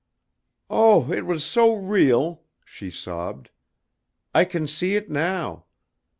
"Oh, it was so real!" she sobbed. "I can see it now.